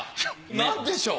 何でしょう？